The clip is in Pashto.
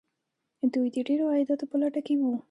دوی د ډیرو عایداتو په لټه کې وو.